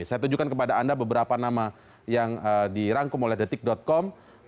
saya tunjukkan kepada anda beberapa nama yang dirangkum oleh detik com